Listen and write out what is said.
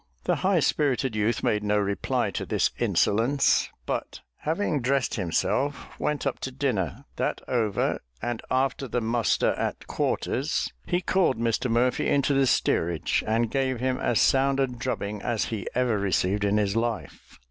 The high spirited youth made no reply to this insolence; but, having dressed himself, went up to dinner; that over, and after the muster at quarters, he called Mr Murphy into the steerage, and gave him as sound a drubbing as he ever received in his life.